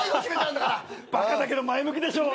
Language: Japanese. バカだけど前向きでしょ？